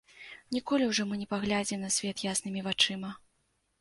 Ніколі ўжо мы не паглядзім на свет яснымі вачыма.